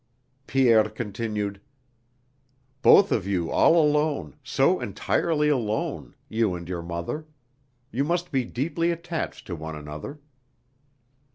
Pierre continued: "Both of you all alone, so entirely alone, you and your mother: you must be deeply attached to one another."